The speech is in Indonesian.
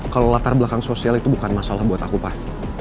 kalau latar belakang sosial itu bukan masalah buat aku pak